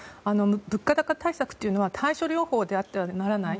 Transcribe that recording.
物価高対策は対処療法であってはならない。